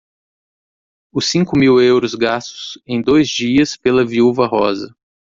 Os cinco mil euros gastos em dois dias pela viúva Rosa.